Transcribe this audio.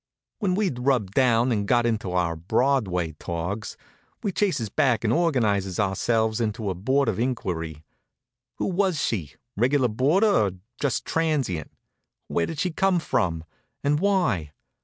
When we'd rubbed down and got into our Broadway togs, we chases back and organizes ourselves into a board of inquiry. Who was she regular boarder, or just transient? Where did she come from? And why?